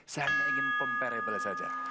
saya ingin pemperibel saja